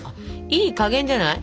いい加減じゃない？